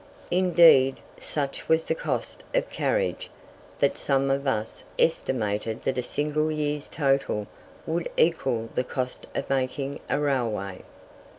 Indeed, such was the cost of carriage that some of us estimated that a single year's total would equal the cost of making a railway.